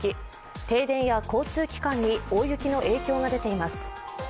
停電や交通機関に大雪の影響が出ています。